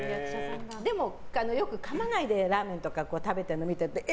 でも、よくかまないでラーメンとか食べてるの見るとえ！